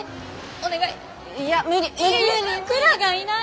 お願い！